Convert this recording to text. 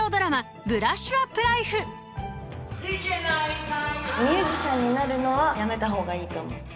イケナイ太陽ミュージシャンになるのはやめたほうがいいと思う。